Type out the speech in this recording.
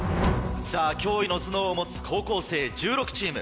驚異の頭脳を持つ高校生１６チーム。